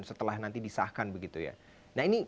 setelah nanti disahkan begitu ya nah ini